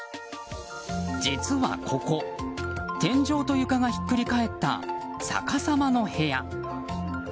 実はここ天井と床がひっくり返った逆さまの部屋。